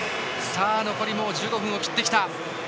残りもう１５分を切ってきた。